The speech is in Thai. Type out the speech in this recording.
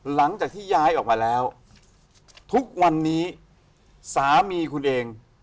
หลังจากที่ย้ายออกมาแล้วทุกวันนี้สามีคุณเอง